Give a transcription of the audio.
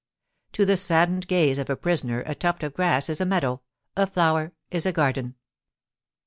To the saddened gaze of a prisoner a tuft of grass is a meadow, a flower is a garden.